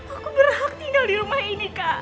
aku berhak tinggal di rumah ini kak